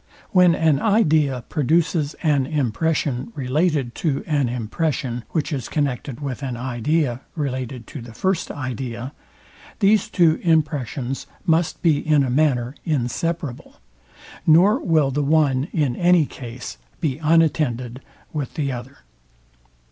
When an idea produces an impression, related to an impression, which is connected with an idea, related to the first idea, these two impressions must be in a manner inseparable, nor will the one in any case be unattended with the other.